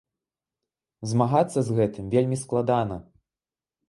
Змагацца з гэтым вельмі складана.